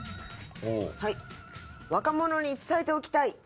若者に伝えておきたい！